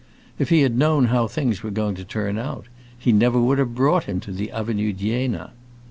If he had known how things were going to turn out, he never would have brought him to the Avenue d'Iéna.